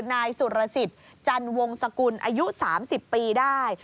นายสุรสิทธิ์จันวงสกุลอายุ๓๐ปีได้